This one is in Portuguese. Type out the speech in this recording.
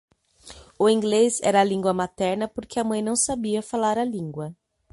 O inglês era a língua materna porque a mãe não sabia falar a língua.